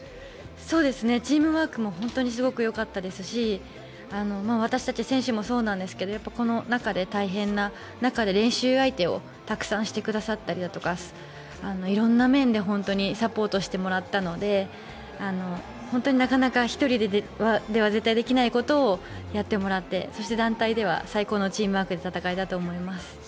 チームワークも本当にすごくよかったですし私たち選手もそうですがコロナ禍で、大変中で練習相手をたくさんしてくださったりとか色んな面で本当にサポートしてもらったので本当になかなか１人では絶対にできないことをやってもらってそして団体では最高のチームワークで戦えたと思います。